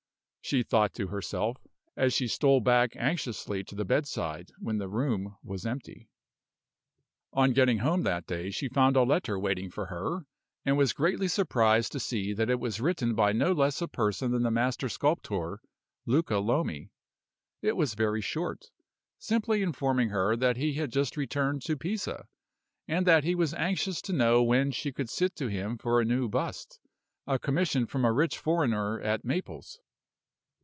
she thought to herself, as she stole back anxiously to the bedside when the room was empty. On getting home that day she found a letter waiting for her, and was greatly surprised to see that it was written by no less a person than the master sculptor, Luca Lomi. It was very short; simply informing her that he had just returned to Pisa, and that he was anxious to know when she could sit to him for a new bust a commission from a rich foreigner at Naples.